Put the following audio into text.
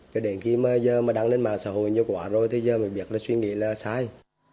cho đến khi mà giờ mà đang lên mà xã hội như quả rồi thì giờ mới biết là suy nghĩ là sai